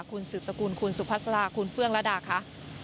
คุณสืบสกุลคุณสุภาษาลาคุณเฟื่องระดาคะ